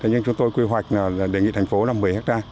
nhưng chúng tôi quy hoạch đề nghị thành phố là một mươi hectare